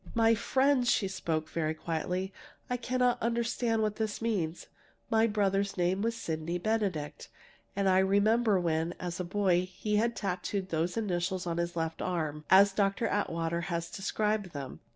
"My friends," she spoke very quietly, "I cannot understand what this means. My brother's name was Sydney Benedict, and I remember when, as a boy, he had tattooed those initials on his left arm, as Dr. Atwater has described them.